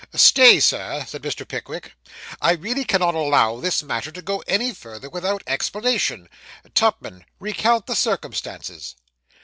'Stay, sir,' said Mr. Pickwick, 'I really cannot allow this matter to go any further without some explanation. Tupman, recount the circumstances.